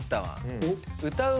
歌う。